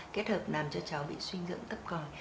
kết hợp làm cho cháu bị suy dinh dưỡng thấp còi